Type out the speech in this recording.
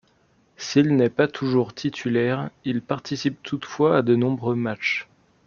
S'il n'est pas toujours titulaire, il participe toutefois à de nombreux matchs.